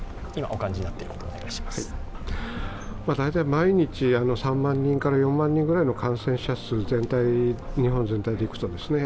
毎日３万人から４万人ぐらいの感染者数、日本全体でいくとですね。